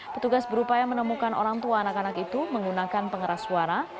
petugas berupaya menemukan orang tua anak anak itu menggunakan pengeras suara